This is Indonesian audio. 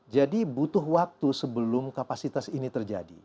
jadi butuh waktu sebelum kapasitas ini terjadi